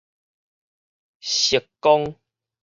石岡